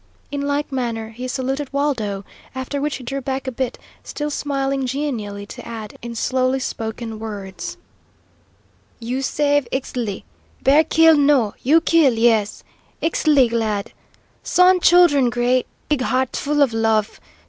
In like manner he saluted Waldo, after which he drew back a bit, still smiling genially, to add, in slowly spoken words: "You save Ixtli. Bear kill no; you kill yes! Ixtli glad. Sun Children great big heart full of love.